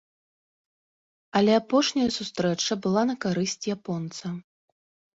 Але апошняя сустрэча была на карысць японца.